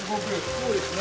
そうですね。